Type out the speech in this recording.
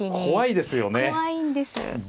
怖いですよね。